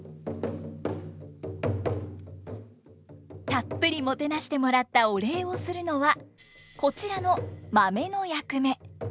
たっぷりもてなしてもらったお礼をするのはこちらの「まめ」の役目。